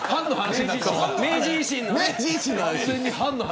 明治維新の話。